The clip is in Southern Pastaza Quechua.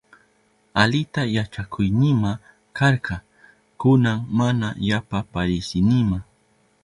Alita yachakuynima karka, kunan mana yapa parisinima.